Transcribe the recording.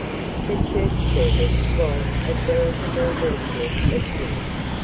"The Church Service was a veritable Wilderness of Zin.